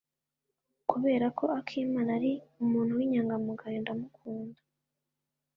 Kubera ko akimana ari umuntu w'inyangamugayo, ndamukunda.